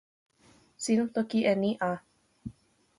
sina toki e ni a.